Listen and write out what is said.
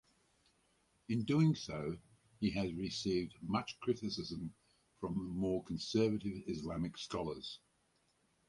In doing so he has received much criticism from more conservative Islamic scholars.